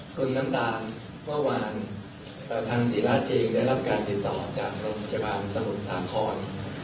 คุณน้ำตาลเมื่อวานทางศิราชเองได้รับการติดต่อจากโรงพยาบาลสมุทรสาคร